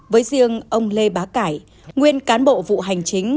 với riêng ông lê bá cải